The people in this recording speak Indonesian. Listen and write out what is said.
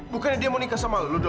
bukannya dia mau nikah sama lo dok